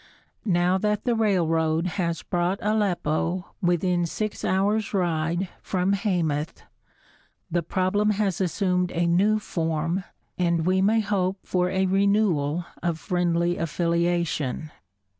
Now that the railroad has brought Aleppo within six hours' ride from Hamath, the problem has assumed a new form and we may hope for a renewal of friendly affiliation.